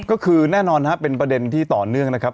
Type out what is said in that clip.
ก็คือแน่นอนนะครับเป็นประเด็นที่ต่อเนื่องนะครับ